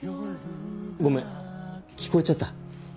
ごめん聞こえちゃった。